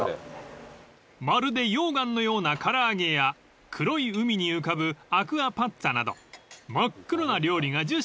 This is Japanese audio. ［まるで溶岩のような唐揚げや黒い海に浮かぶアクアパッツァなど真っ黒な料理が１０品］